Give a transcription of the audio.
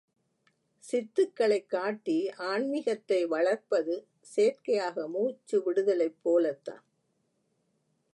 சித்துக்களைக் காட்டி ஆன்மீகத்தை வளர்ப்பது செயற்கையாக மூச்சுவிடுதலைப் போலத்தான்.